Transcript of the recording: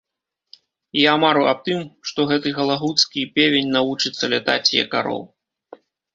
Я мару аб тым, што гэты галагуцкі певень навучыцца лятаць, як арол.